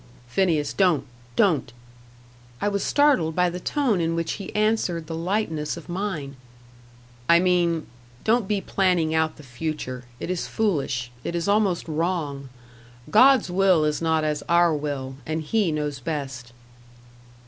"Phineas don't don't." I was startled by the tone in which he answered the lightness of mine. "I mean don't be planning out the future. It is foolish it is almost wrong. God's will is not as our will; and He knows best."